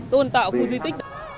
tôn tạo khu di tích